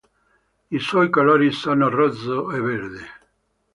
I suoi colori sono rosso e verde.